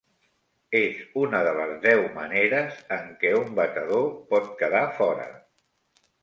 És una de les deu maneres en què un batedor pot quedar fora.